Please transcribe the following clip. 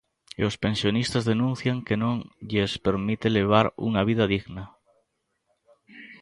E os pensionistas denuncian que non lles permite levar unha vida digna.